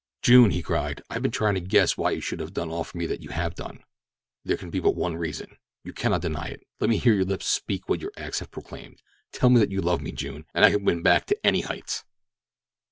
"June," he cried, "I have been trying to guess why you should have done for me all that you have done. There can be but one reason. You cannot deny it. Let me hear your lips speak what your acts have proclaimed. Tell me that you love me, June, and I can win back to any heights!"